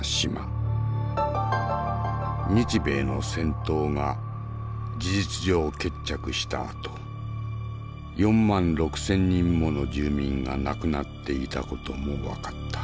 日米の戦闘が事実上決着したあと４万６，０００人もの住民が亡くなっていた事も分かった。